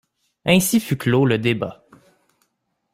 Ainsi fut clos le débat.